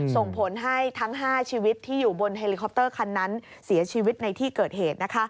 ส่งผลให้ทั้ง๕ชีวิตที่อยู่บนเฮลิคอปเตอร์คันนั้นเสียชีวิตในที่เกิดเหตุ